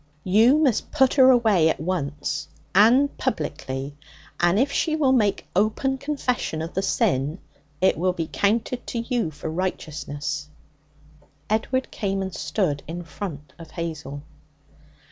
You must put her away at once and publicly; and if she will make open confession of the sin, it will be counted to you for righteousness.' Edward came and stood in front of Hazel.